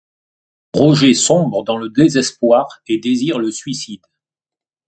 Roger sombre dans le désespoir et désire le suicide.